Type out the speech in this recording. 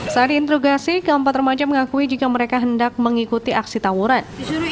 saat diinterogasi keempat remaja mengakui jika mereka hendak mengikuti aksi tawuran